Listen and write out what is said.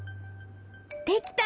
できた！